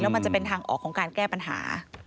มันจะเป็นทางออกของการแก้ปัญหา